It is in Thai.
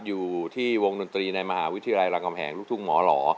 อยู่ที่วงดนตรีในมหาวิทยาลัยรามคำแหงลูกทุ่งหมอหล่อ